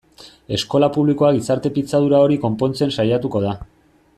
Eskola publikoa gizarte pitzadura hori konpontzen saiatuko da.